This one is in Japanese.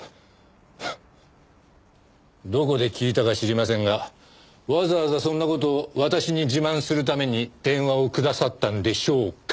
どこで聞いたか知りませんがわざわざそんな事を私に自慢するために電話をくださったんでしょうか？